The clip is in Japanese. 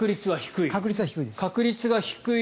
確率が低い。